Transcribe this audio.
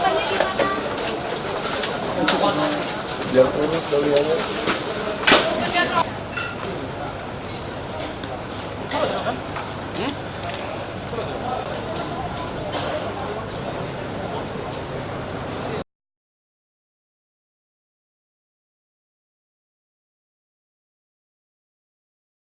umi udah terserah belum dalia